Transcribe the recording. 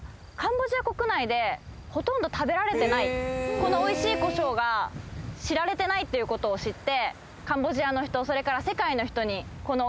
このおいしいコショウが知られてないっていう事を知って。